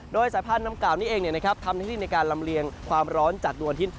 โดยสายพลาดน้ำกล่าวนี้เองนะครับทำในที่ในการลำเลียงความร้อนจัดดวนทิศ